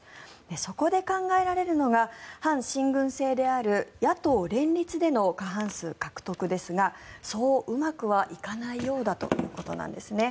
そこで考えられるのが反親軍政である野党連立での過半数獲得ですがそううまくはいかないということです。